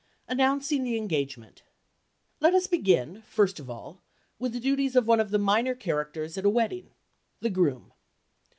ANNOUNCING THE ENGAGEMENT Let us begin, first of all, with the duties of one of the minor characters at a wedding—the Groom.